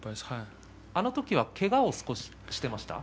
あの時はけがを少ししていましたか？